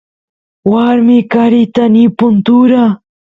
warmi qarita nipun tura